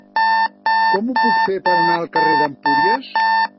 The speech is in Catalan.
Com ho puc fer per anar al carrer d'Empúries?